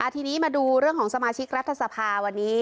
ทีนี้มาดูเรื่องของสมาชิกรัฐสภาวันนี้